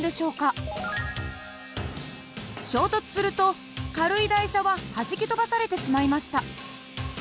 衝突すると軽い台車ははじき飛ばされてしまいました。